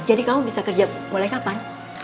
jadi kamu bisa kerja mulai kapan